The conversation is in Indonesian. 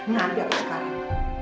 nanti apa sekarang